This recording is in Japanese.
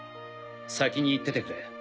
先に行っててくれ。